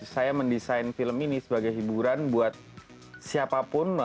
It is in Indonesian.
saya mendesain film ini sebagai hiburan buat siapapun